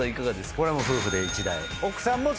これはもう夫婦で１台。